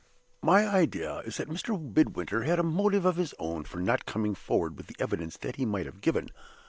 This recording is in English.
My idea is that Mr. Midwinter had a motive of his own for not coming forward with the evidence that he might have given.